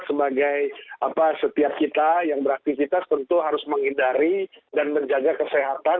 sebagai setiap kita yang beraktivitas tentu harus menghindari dan menjaga kesehatan